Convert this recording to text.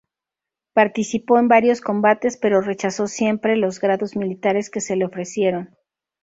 Participó en varios combates pero rechazó siempre los grados militares que se le ofrecieron.